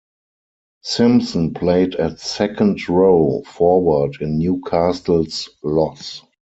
Simpson played at second-row forward in Newcastle's loss.